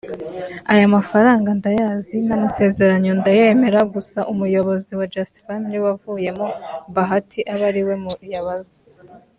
“Aya mafaranga ndayazi n’amasezerano ndayemera gusa Umuyobozi wa Just Family wavuyemo (Bahati) abe ariwe muyabaza